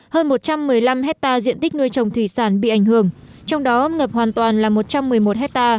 hơn một trăm một mươi năm hectare diện tích nuôi trồng thủy sản bị ảnh hưởng trong đó ngập hoàn toàn là một trăm một mươi một ha